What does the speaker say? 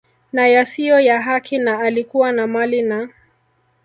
na yasiyo ya haki na alikuwa na mali na